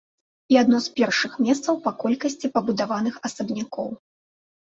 І адно з першых месцаў па колькасці пабудаваных асабнякоў.